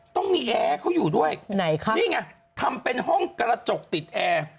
ต้องมีแอร์เขาอยู่ด้วยไหนคะนี่ไงทำเป็นห้องกระจกติดแอร์